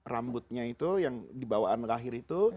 rambutnya itu yang dibawaan lahir itu